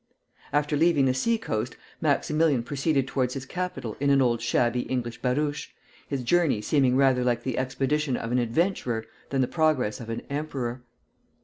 After leaving the sea coast, Maximilian proceeded towards his capital in an old shabby English barouche, his journey seeming rather like the expedition of an adventurer than the progress of an emperor.